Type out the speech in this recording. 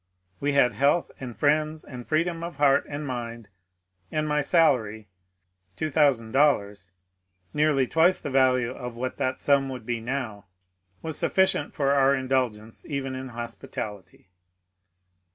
We had health and friends and freedom of heart and mind ; and my salary, $2000 (nearly twice the value of what that sum would be now), was sufficient for our indulgence even in hospitality.